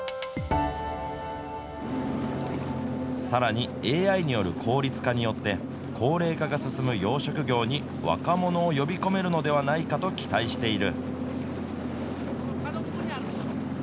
さらにＡＩによる効率化によって、高齢化が進む養殖業に、若者を呼び込めるのではないかと期待している。